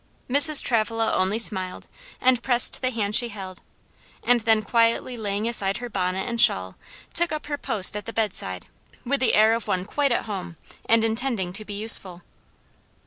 Mrs. Travilla only smiled, and pressed the hand she held; and then quietly laying aside her bonnet and shawl, took up her post at the bedside, with the air of one quite at home, and intending to be useful.